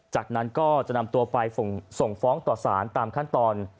จากนั้นก็จะนำตัวไปส่งฟ้องต่อสารตามขั้นตอน